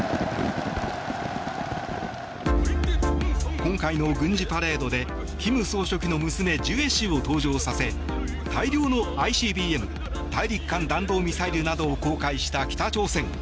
今回の軍事パレードで金総書記の娘ジュエ氏を登場させ大量のＩＣＢＭ・大陸間弾道ミサイルなどを公開した北朝鮮。